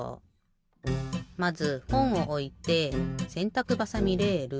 まずほんをおいてせんたくばさみレール。